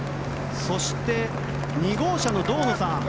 そして、２号車の堂野さん